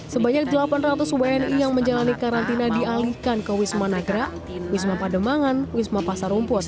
sebanyak delapan ratus wni yang menjalani karantina dialihkan ke wisma nagra wisma pademangan wisma pasar rumput